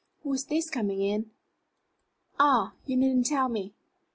Who is this coming in? Ah, you needn't tell me."